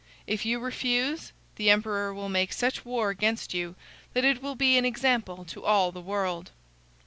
If you refuse, the emperor will make such war against you that it will be an example to all the world."